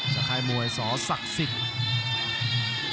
ค่ายมวยสศักดิ์สิทธิ์